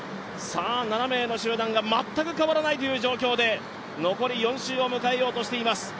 ７名の集団が全く変わらないという状況で残り４周を迎えようとしています。